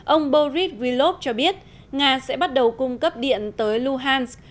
ông boris vylov cho biết nga sẽ bắt đầu cung cấp điện tới luhans